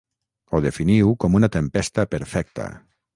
Ho definiu com una tempesta perfecta.